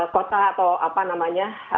kota atau apa namanya